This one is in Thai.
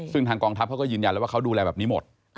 ซึ่งทางกองทัพเขาก็ยืนยันแล้วว่าเขาดูแลแบบนี้หมด